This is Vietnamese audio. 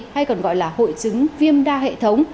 hay còn gọi là hội chứng viêm đa hệ thống